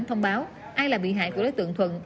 thông báo ai là bị hại của đối tượng thuận